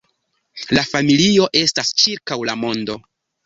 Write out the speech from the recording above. La familio estas ĉirkaŭ la mondo.